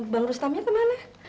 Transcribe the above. bang rustomnya kemana